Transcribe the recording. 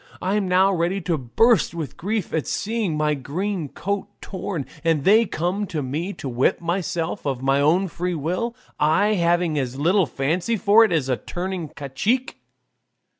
I'm now ready to burst with grief at seeing my green coat torn, and they come to ask me to whip myself of my own free will, I having as little fancy for it as for turning cacique."